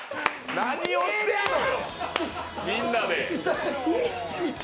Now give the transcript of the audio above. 何をしてるのよ。